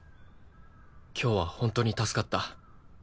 今日は本当に助かった。